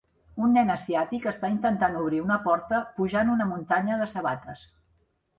Un nen asiàtic està intentant obrir una porta pujant una muntanya de sabates.